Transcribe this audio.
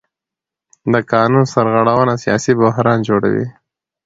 د قانون سرغړونه سیاسي بحران جوړوي